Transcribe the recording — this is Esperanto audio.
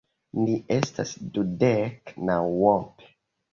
Ni estas dudek naŭope.